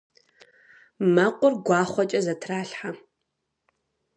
Мэкъур гуахъуэкӏэ зэтралъхьэ.